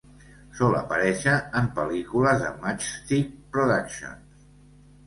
Sol aparèixer en pel·lícules de Matchstick Productions.